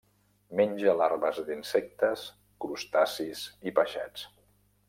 Menja larves d'insectes, crustacis i peixets.